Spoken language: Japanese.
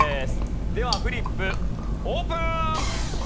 ではフリップオープン！